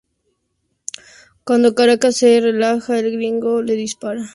Cuando Caracas se relaja, el Gringo le dispara.